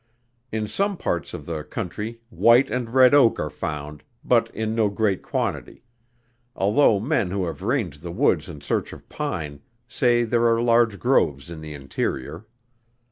In some parts of the country white and red oak are found, but in no great quantity; although men who have ranged the woods in search of pine, say there are large groves in the interior.